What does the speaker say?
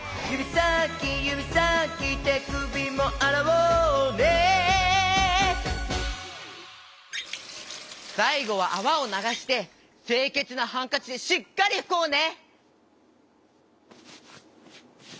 さいごはあわをながしてせいけつなハンカチでしっかりふこうね！